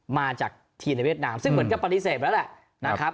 มาจากทีมในเวียดนามซึ่งเหมือนกับปฏิเสธแล้วแหละนะครับ